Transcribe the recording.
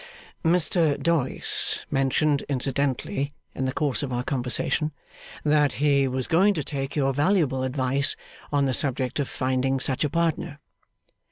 'Mr Doyce mentioned incidentally, in the course of our conversation, that he was going to take your valuable advice on the subject of finding such a partner.